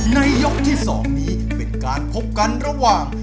ยกที่๒นี้เป็นการพบกันระหว่าง